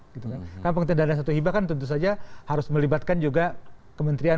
karena penghentian dana satu hibah kan tentu saja harus melibatkan juga kementerian